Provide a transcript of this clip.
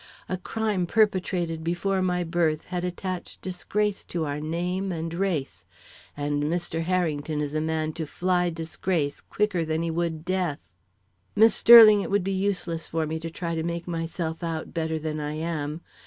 A crime perpetrated before my birth had attached disgrace to our name and race, and Mr. Harrington is a man to fly disgrace quicker than he would death. Miss Sterling, it would be useless for me to try to make myself out better than I am.